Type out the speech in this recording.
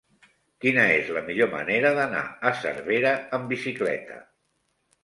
Quina és la millor manera d'anar a Cervera amb bicicleta?